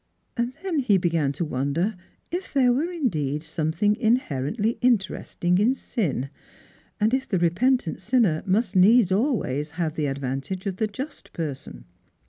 And then he began to wonder if there were indeed something inherently interesting in sin, and if the repentant sinner must needs always have the advantage of the just person.